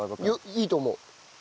いいと思う。